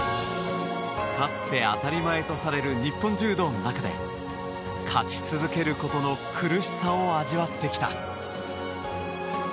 勝って当たり前とされる日本柔道の中で勝ち続けることの苦しさを味わってきた。